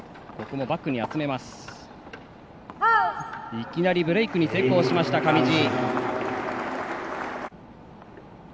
いきなりブレークに成功、上地。